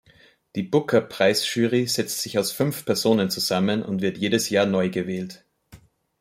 Die Booker-Preis-Jury setzt sich aus fünf Personen zusammen und wird jedes Jahr neu gewählt.